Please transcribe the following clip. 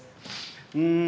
うん。